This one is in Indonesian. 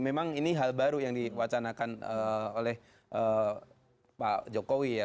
memang ini hal baru yang diwacanakan oleh pak jokowi ya